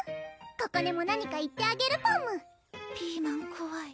ここねも何か言ってあげるパムピーマンこわい